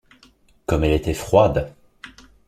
Comme elle était froide!